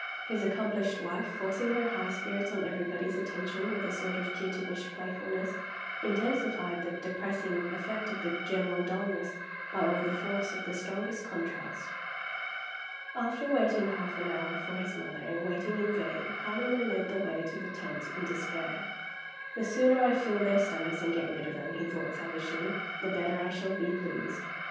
His accomplished wife, forcing her high spirits on everybody's attention with a sort of kittenish playfulness, intensified the depressing effect of the general dullness by all the force of the strongest contrast. After waiting half an hour for his mother, and waiting in vain, Hardyman led the way to the tent in despair. "The sooner I fill their stomachs and get rid of them," he thought savagely, "the better I shall be pleased!"